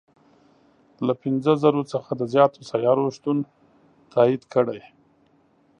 له پنځه زرو څخه د زیاتو سیارو شتون تایید کړی.